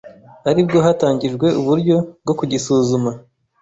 ari bwo hatangijwe uburyo bwo kugisuzuma